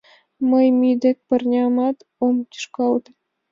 Мый мӱй дек парнямат ом тушкалте.